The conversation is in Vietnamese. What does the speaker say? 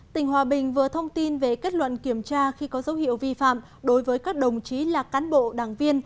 tỉnh hòa bình vừa thông tin về kết luận kiểm tra khi có dấu hiệu vi phạm đối với các đồng chí là cán bộ đảng viên